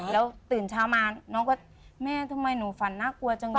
แล้วตื่นเช้ามาน้องก็แม่ทำไมหนูฝันน่ากลัวจังวะ